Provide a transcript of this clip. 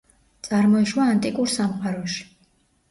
წარმოიშვა ანტიკურ სამყაროში.